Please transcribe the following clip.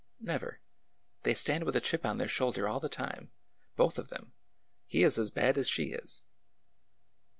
" Never. They stand with a chip on their shoulder all the time — both of them— he is as bad as she is."